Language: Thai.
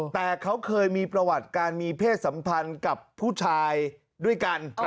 แต่เขาเคยมีประวัติการมีเพศสัมพันธ์กับผู้ชายด้วยกัน